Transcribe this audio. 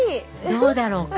どうだろうか？